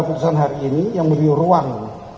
keputusan hari ini yang beri ruang